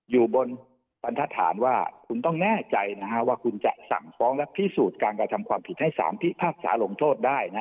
อยู่บนบรรทฐานว่าคุณต้องแน่ใจว่าคุณจะสั่งฟ้องและพิสูจน์การกระทำความผิดให้สารพิพากษาลงโทษได้